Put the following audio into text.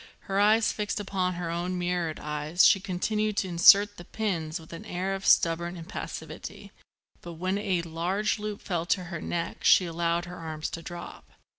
Her eyes fixed upon her own mirrored eyes, she continued to insert the pins with an air of stubborn impassivity; but when a large loop fell to her neck she allowed her arms to drop.